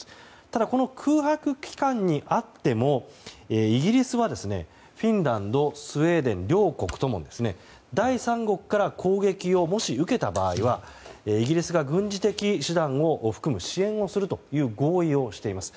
ただ、この空白期間にあってもイギリスはフィンランドスウェーデン両国とも第三国から攻撃をもし受けた場合はイギリスが軍事的手段を含む支援をするという合意をしています。